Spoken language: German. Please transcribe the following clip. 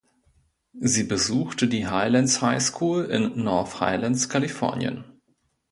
Sie besuchte die Highlands High School in North Highlands, Kalifornien.